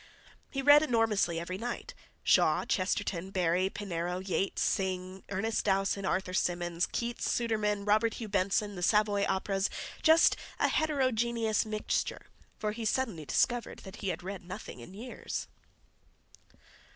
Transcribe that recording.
He read enormously every night—Shaw, Chesterton, Barrie, Pinero, Yeats, Synge, Ernest Dowson, Arthur Symons, Keats, Sudermann, Robert Hugh Benson, the Savoy Operas—just a heterogeneous mixture, for he suddenly discovered that he had read nothing for years.